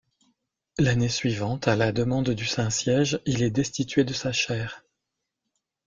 L'année suivante, à la demande du Saint-Siège, il est destitué de sa chaire.